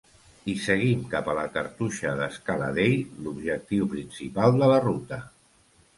I seguim cap a la Cartoixa d'Escaladei, l'objectiu principal de la ruta.